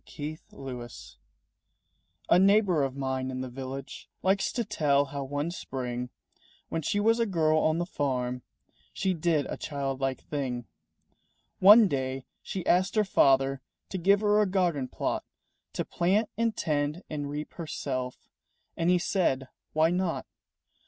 A GIRL'S GARDEN A neighbor of mine in the village Likes to tell how one spring When she was a girl on the farm, she did A childlike thing. One day she asked her father To give her a garden plot To plant and tend and reap herself, And he said, "Why not?"